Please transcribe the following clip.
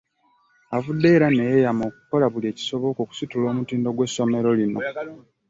Avuddeyo era ne yeeyama okukola buli ekisoboka okusitula omutindo gw'essomero lino.